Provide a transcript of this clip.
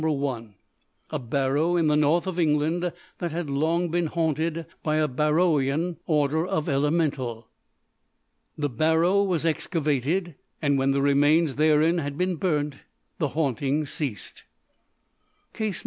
1._ A barrow in the North of England that had long been haunted by a Barrowian order of Elemental. (The barrow was excavated, and when the remains therein had been burnt, the hauntings ceased.) _Case No.